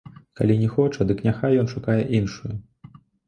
Калі не хоча, дык няхай ён шукае іншую.